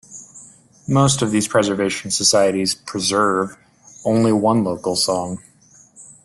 Most of these Preservation Societies "preserve" only one local song.